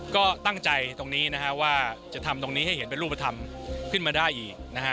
ก็ตั้งใจตรงนี้นะฮะว่าจะทำตรงนี้ให้เห็นเป็นรูปธรรมขึ้นมาได้อีกนะฮะ